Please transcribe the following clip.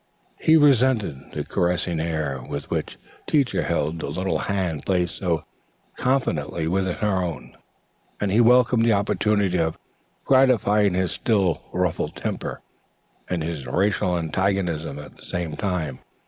He resented the caressing air with which Teacher held the little hand placed so confidently within her own and he welcomed the opportunity of gratifying his still ruffled temper and his racial antagonism at the same time.